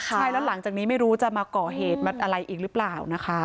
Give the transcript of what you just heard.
ใช่แล้วหลังจากนี้ไม่รู้จะมาก่อเหตุมาอะไรอีกหรือเปล่านะคะ